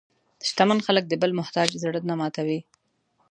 شتمن خلک د بل محتاج زړه نه ماتوي.